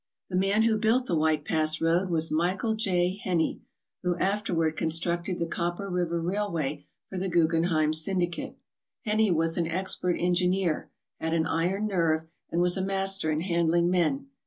The man who built the White Pass road was Michael J. Heney, who afterward constructed the Copper River railway for the Guggenheim syndicate. Heney was an expert engineer, had an iron nerve, and was a master in handling men.